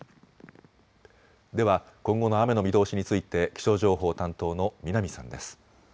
では今後の雨の見通しについて気象情報担当の南さんです。